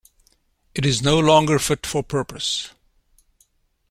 It is no longer fit for purpose.